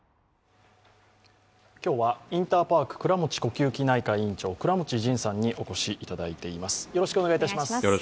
今日はインターパーク倉持呼吸器内科院長、倉持仁さんにお越しいただいています。